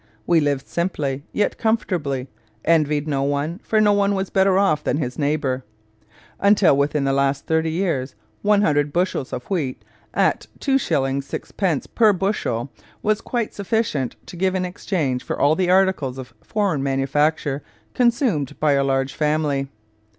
We lived simply, yet comfortably envied no one, for no one was better off than his neighbour. Until within the last thirty years, one hundred bushels of wheat, at 2s. 6d. per bushel, was quite sufficient to give in exchange for all the articles of foreign manufacture consumed by a large family....